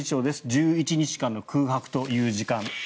１１日間の空白という時間。